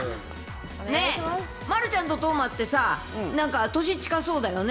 ねぇ、丸ちゃんと斗真ってさ、なんか年近そうだよね。